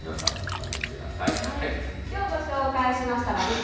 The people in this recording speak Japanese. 今日御紹介しましたラヴィット！